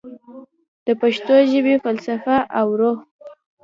د پښتو ژبې فلسفه او روح